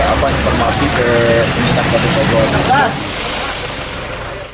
apa informasi ke penginapan yang kita jual